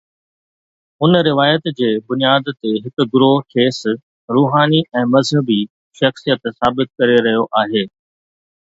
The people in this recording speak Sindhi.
ان روايت جي بنياد تي هڪ گروهه کيس روحاني ۽ مذهبي شخصيت ثابت ڪري رهيو آهي.